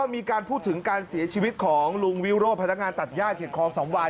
มีการพูดถึงการเสียชีวิตของลุงวิโรธพนักงานตัดย่าเขตคลองสำวาย